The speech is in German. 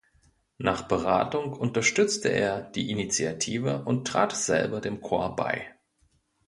Nach Beratung unterstützte er die Initiative und trat selber dem Corps bei.